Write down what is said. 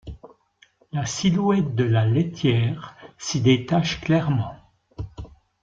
La silhouette de la laitière s'y détache clairement.